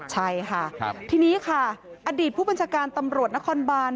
ใช่ค่ะทีนี้ค่ะอดีตผู้บัญชาการตำรวจนครบาน